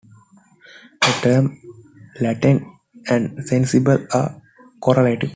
The terms latent and sensible are correlative.